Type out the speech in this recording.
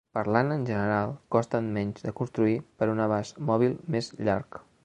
Parlant en general costen menys de construir per un abast mòbil més llarg.